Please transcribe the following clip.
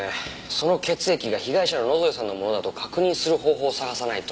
その血液が被害者の野添さんのものだと確認する方法を探さないと。